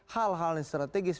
hal hal yang strategis